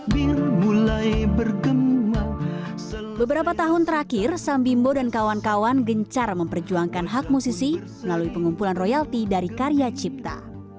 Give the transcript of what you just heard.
beberapa tahun terakhir sam bimbo dan kawan kawan gencar memperjuangkan hak musisi melalui pengumpulan royalti dari karya cipta